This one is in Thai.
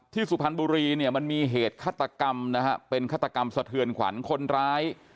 สุพรรณบุรีเนี่ยมันมีเหตุฆาตกรรมนะฮะเป็นฆาตกรรมสะเทือนขวัญคนร้าย